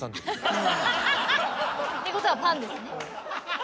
てことはパンですね。